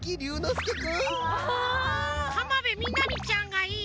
浜辺美波ちゃんがいい。